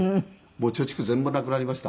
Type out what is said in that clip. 貯蓄全部なくなりました。